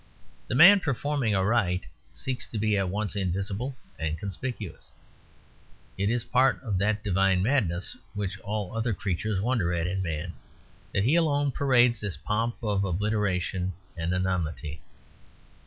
The man performing a rite seeks to be at once invisible and conspicuous. It is part of that divine madness which all other creatures wonder at in Man, that he alone parades this pomp of obliteration and anonymity.